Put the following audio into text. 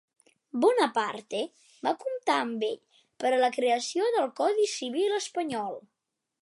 Bonaparte va comptar amb ell per a la creació del Codi Civil espanyol.